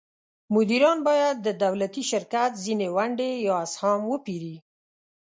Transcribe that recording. مدیران باید د دولتي شرکت ځینې ونډې یا اسهام وپیري.